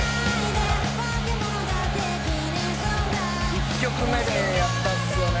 「１曲目でやったんですよね」